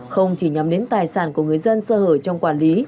không chỉ nhắm đến tài sản của người dân sơ hở trong quản lý